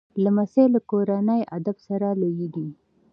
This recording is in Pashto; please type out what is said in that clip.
لمسی له کورني ادب سره لویېږي